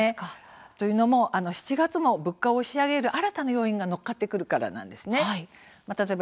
というのも７月も物価を押し上げる新たな要因が乗っかってくるからなんです。